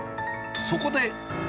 そこで。